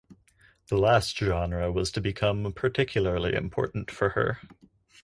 The last genre was to become particularly important for her.